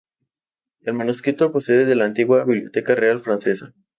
El manuscrito procede la antigua Biblioteca Real francesa.